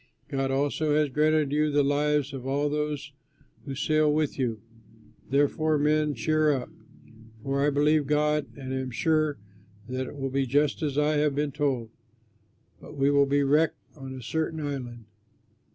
God also has granted you the lives of all of those who sail with you.' Therefore, men, cheer up! For I believe God and am sure that it will be just as I have been told; but we will be wrecked on a certain island."